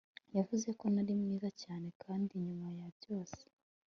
Yavuze ko nari mwiza cyane kandi nyuma ya byose